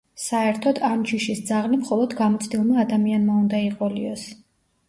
საერთოდ ამ ჯიშის ძაღლი მხოლოდ გამოცდილმა ადამიანმა უნდა იყოლიოს.